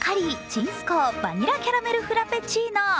ちんすこうバニラキャラメルフラペチーノ。